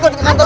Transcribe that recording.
lepas tuh eh